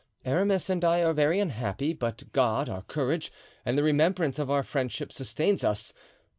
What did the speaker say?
Aramis and I are very unhappy; but God, our courage, and the remembrance of our friendship sustain us.